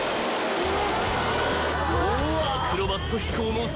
うわ！